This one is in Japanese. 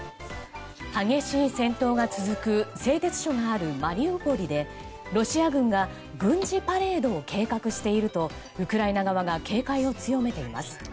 激しい戦闘が続く製鉄所があるマリウポリでロシア軍が軍事パレードを計画しているとウクライナ側が警戒を強めています。